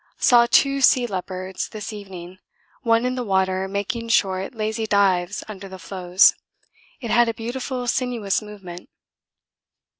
Saw two sea leopards this evening, one in the water making short, lazy dives under the floes. It had a beautiful sinuous movement.